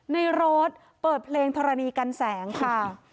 ในรถเปิดเพลงธรณีกันแสงค่ะ